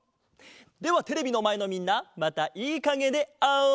ではテレビのまえのみんなまたいいかげであおう！